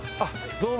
どうも。